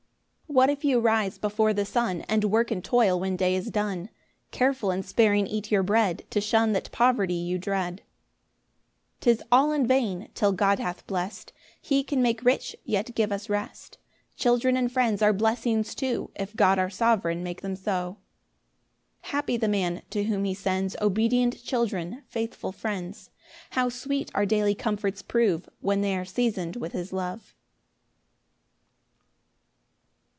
3 What if you rise before the sun, And work and toil when day is done, Careful and sparing eat your bread, To shun that poverty you dread; 3 'Tis all in vain, till God hath blest; He can make rich, yet give us rest: Children and friends are blessings too, If God our sovereign make them so. 4 Happy the man to whom he sends Obedient children, faithful friends: How sweet our daily comforts prove When they are season'd with his love!